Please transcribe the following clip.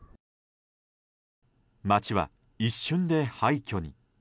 街は一瞬で廃虚に。